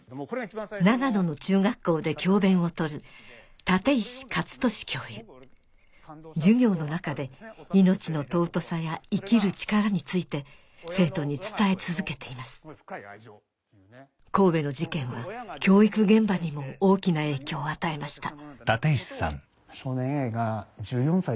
長野の中学校で教鞭を執る立石勝利教諭授業の中で命の尊さや生きる力について生徒に伝え続けています神戸の事件は教育現場にも大きな影響を与えました